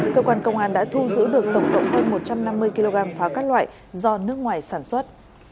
cơ quan công an đã thu giữ được tổng cộng hơn một trăm năm mươi kg pháo các loại do nước ngoài sản xuất